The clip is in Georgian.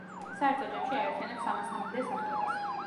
საერთო ჯამში აერთიანებს სამასამდე სახეობას.